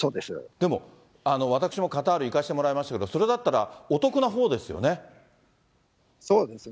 でも私もカタール、行かせてもらいましたけど、それだったら、そうですね。